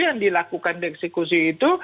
yang dilakukan di eksekusi itu